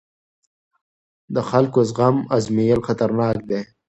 د خلکو زغم ازمېیل خطرناک دی